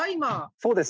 そうです。